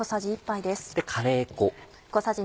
カレー粉。